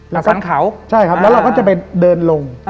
แล้วเราก็จะไปเดินลง